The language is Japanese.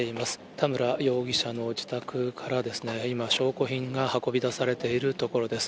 田村容疑者の自宅からですね、今、証拠品が運び出されているところです。